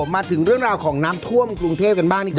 มาถึงเรื่องราวของน้ำท่วมกรุงเทพกันบ้างดีกว่า